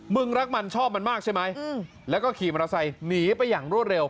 รักมันชอบมันมากใช่ไหมแล้วก็ขี่มอเตอร์ไซค์หนีไปอย่างรวดเร็ว